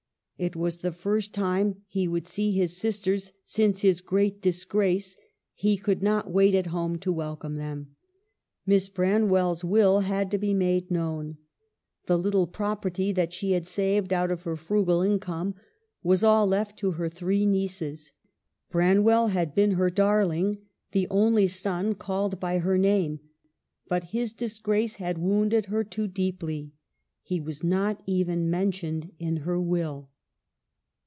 It was the first time he would see his sisters since his great disgrace; he could not wait at home to welcome them. Miss Branwell's will had to be made known. The little property that she had saved out of her frugal income was all left to her three nieces. Branwell had been her darling, the only son, called by her name ; but his disgrace had wounded her too deeply. He was not even mentioned in her will.